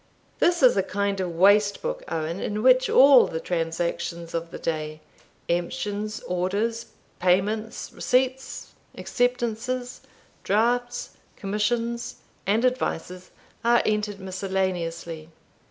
This is a kind of waste book, Owen, in which all the transactions of the day, emptions, orders, payments, receipts, acceptances, draughts, commissions, and advices, are entered miscellaneously."